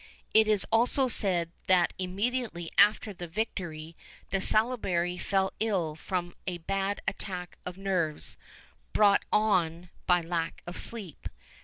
It is also said that immediately after the victory De Salaberry fell ill from a bad attack of nerves, brought on by lack of sleep.